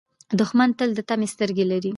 دښمن تل د طمعې سترګې لري